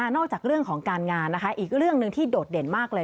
นอกจากเรื่องของการงานนะค่ะ